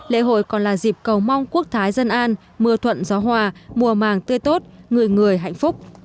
lễ hội còn là dịp cầu mong quốc thái dân an mưa thuận gió hòa mùa màng tươi tốt người người hạnh phúc